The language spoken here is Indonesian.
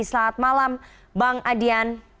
selamat malam bang adian